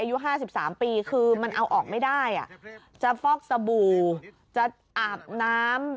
อายุห้าสิบสามปีคือมันเอาออกไม่ได้อ่ะจะฟอกสบู่จะอาบน้ำ